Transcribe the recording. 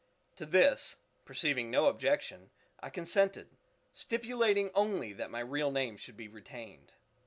_To this, perceiving no objection, I consented, stipulating only that my real name should be retained.